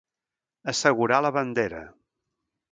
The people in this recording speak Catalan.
Assegurar la bandera.